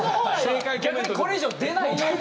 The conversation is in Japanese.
逆にこれ以上出ない。